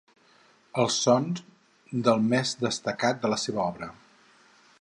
Els són del més destacat de la seva obra.